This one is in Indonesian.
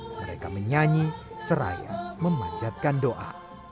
mereka menyanyi seraya memanjatkan doa